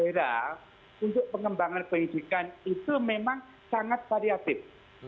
daerah untuk pengembangan pendidikan itu memang sangat variatif